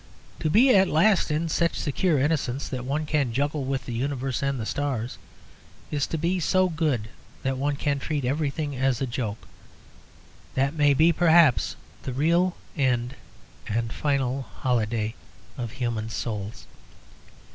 To be at last in such secure innocence that one can juggle with the universe and the stars, to be so good that one can treat everything as a joke that may be, perhaps, the real end and final holiday of human souls.